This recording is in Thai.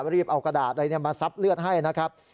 รีบเอากระดาษอะไรมาซับเลือดให้นะครับ